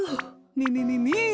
みみみみー！